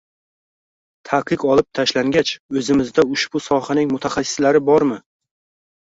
Taqiq olib tashlangach oʻzimizda ushbu sohaning mutaxassislari bormi?